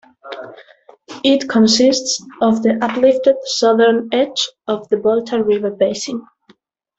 It consist of the uplifted southern edge of the Volta River Basin.